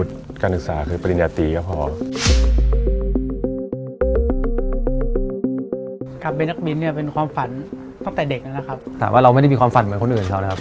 แต่ว่าเราไม่ได้มีความฝันเหมือนคนอื่นครับ